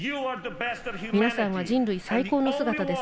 皆さんは人類最高の姿です。